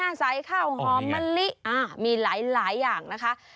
ใส่ข้าวหอมมะลิมีหลายอย่างนะคะ